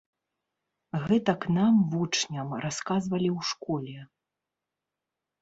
Гэтак нам, вучням, расказвалі ў школе.